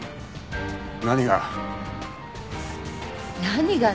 何が？